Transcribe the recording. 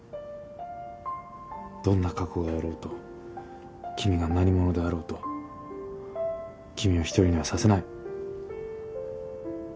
どんな過去があろうと君が何者であろうと君を１人にはさせない。